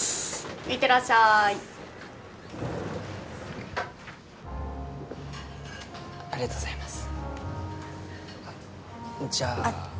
いってらっしゃいありがとうございますあっじゃああっ